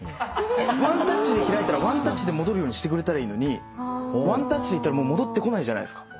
ワンタッチで開いたらワンタッチで戻るようにしてくれたらいいのにワンタッチでいったら戻ってこないじゃないっすか。